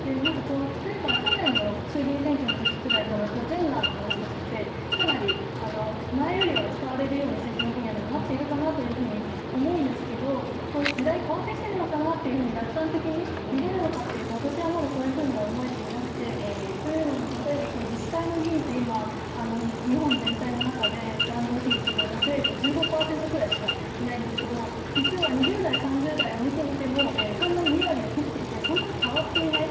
例えば去年の衆議院選挙のときくらいからジェンダーの話とかって、前よりは扱われるように政治の分野でもなっているかなと思うんですけど時代変わってきているのかなと楽観的にみられるのかというと、私はまだそういうふうには思えていなくて、というのも例えば自治体議員って日本全体の中で男女比率で女性１５％くらいしかいないんですけれども、実は２０代、３０代を見ていても２割を切っていてそんなに変わっていない。